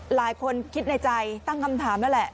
หลายคนคิดในใจตั้งคำถามนั่นแหละ